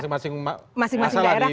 masing masing masalah di sini